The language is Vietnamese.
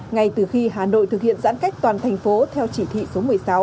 ngay từ khi hà nội thực hiện giãn cách toàn thành phố theo chỉ thị số một mươi sáu